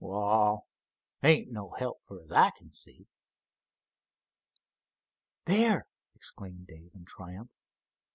Wa'al, there ain't no help, fer as I kin see!" "There!" exclaimed Dave in triumph.